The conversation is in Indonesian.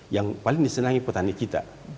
yang paling disenangi petani kita